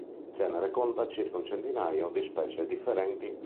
Il genere conta circa un centinaio di specie differenti.